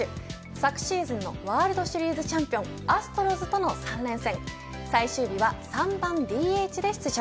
昨シーズンのワールドシリーズチャンピオンアストロズとの３連戦最終日は、３番ＤＨで出場。